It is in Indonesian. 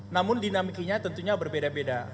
namun dinamikinya tentunya berbeda beda